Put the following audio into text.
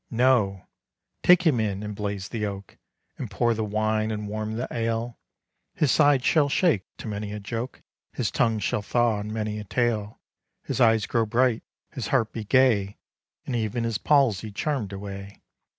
No! take him in, and blaze the oak, And pour the wine, and warm the ale; His sides shall shake to many a joke, His tongue shall thaw in many a tale, His eyes grow bright, his heart be gay, And even his palsy charm'd away.